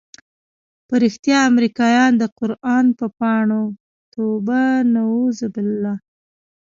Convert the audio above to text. په رښتيا امريکايان د قران په پاڼو كونه پاكيي؟